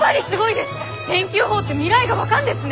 天気予報って未来が分かんですね！